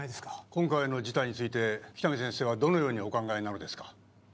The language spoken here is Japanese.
今回の事態について喜多見先生はどのようにお考えなのですか？